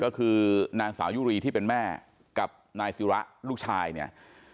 ก็คือนางสาวยุรีที่เป็นแม่กับนายศิระลูกชายเนี่ย